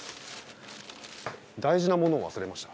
大事なものを忘れました。